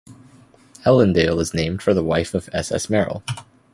Ellendale is named for the wife of S. S. Merrill.